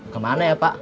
kemana ya pak